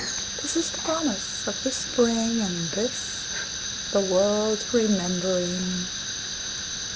This is the promise of the Spring, And this the world's remembering.